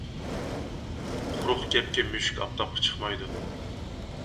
قۇرۇق گەپكە مۈشۈك ئاپتاپقا چىقمايدۇ.